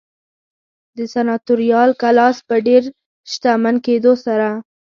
د سناتوریال کلاس په ډېر شتمن کېدو سره